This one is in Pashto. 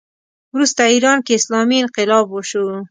وروسته ایران کې اسلامي انقلاب وشو